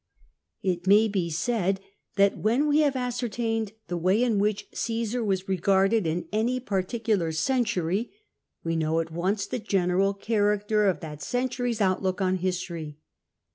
It may be said that when we have ascertained the way in which Cmsar was regarded in any particular century, we know at once the general character of that century's outlook on history.